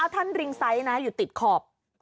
ท่านริงไซส์นะอยู่ติดขอบ